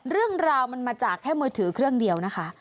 เรื่องราวมันมาจากแค่มือถือเครื่องเดียวนะคะ